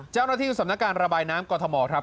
เจ้าหน้าที่สำนักการระบายน้ำกรทมครับ